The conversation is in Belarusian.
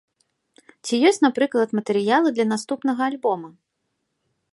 Ці ёсць, напрыклад, матэрыялы для наступнага альбома?